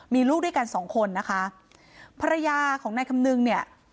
มีลูกด้วยกันสองคนนะคะภรรยาของนายคำนึงเนี่ย